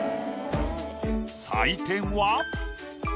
採点は。